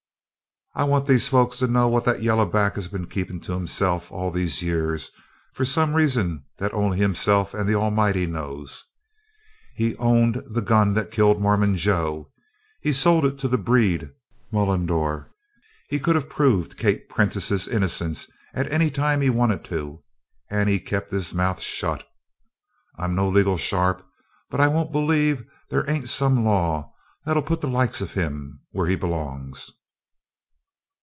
"I want these folks to know what that yella back has been keepin' to himself all these years for some reason that only himself and the Almighty knows. He owned the gun that killed Mormon Joe! He sold it to the 'breed,' Mullendore! He could have proved Kate Prentiss's innocence any time he wanted to and he kept his mouth shut! I'm no legal sharp, but I won't believe there ain't some law that'll put the likes o' him where he belongs."